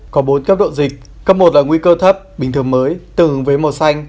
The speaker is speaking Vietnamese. có bốn cấp độ dịch cấp một là nguy cơ thấp bình thường mới tương ứng với màu xanh